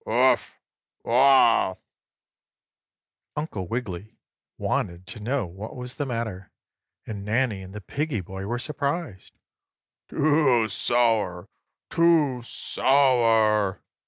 Wuff! Wow!" Uncle Wiggily wanted to know what was the matter, and Nannie and the piggie boy were surprised. "Too sour! Too sour!"